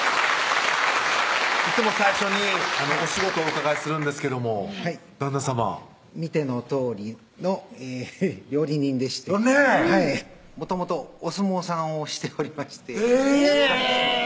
いつも最初にお仕事をお伺いするんですけども旦那さま見てのとおりの料理人でしてもともとお相撲さんをしておりましてえぇ！